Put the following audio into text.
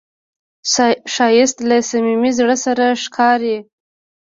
ښایست له صمیمي زړه سره ښکاري